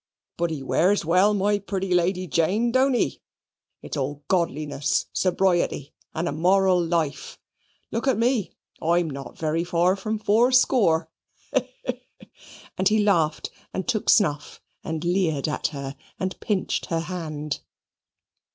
But he wears well, my pretty Lady Jane, don't he? It's all godliness, sobriety, and a moral life. Look at me, I'm not very fur from fowr score he, he"; and he laughed, and took snuff, and leered at her and pinched her hand.